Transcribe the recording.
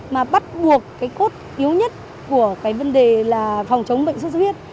mà bắt buộc cái cốt yếu nhất của cái vấn đề là phòng chống bệnh xuất xuất huyết